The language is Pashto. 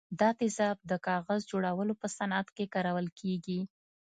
دا تیزاب د کاغذ جوړولو په صنعت کې کارول کیږي.